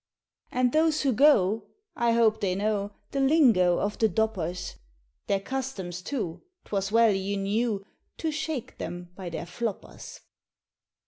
And those who go I hope they know The lingo of the "Doppers;" Their customs too, 'twas well you knew, To shake them by their floppers.